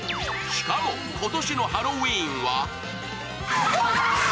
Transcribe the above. しかも、今年のハロウィーンは？